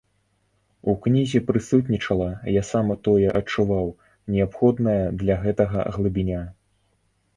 У кнізе прысутнічала, я сам тое адчуваў, неабходная для гэтага глыбіня.